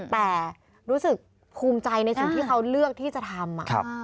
แต่รู้สึกภูมิใจในสิ่งที่เขาเลือกที่จะทำ